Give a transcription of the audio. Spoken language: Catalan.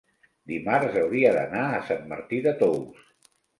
dimarts hauria d'anar a Sant Martí de Tous.